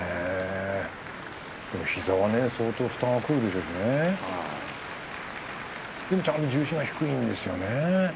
膝は相当負担がくるんでしょうしねでも、ちゃんと重心は低いんですよね。